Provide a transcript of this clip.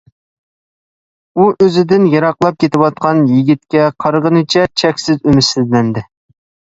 ئۇ ئۆزىدىن يىراقلاپ كېتىۋاتقان يىگىتكە قارىغىنىچە چەكسىز ئۈمىدسىزلەندى.